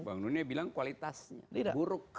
bank dunia bilang kualitasnya buruk